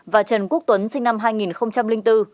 và trần quốc tuấn sinh năm hai nghìn tám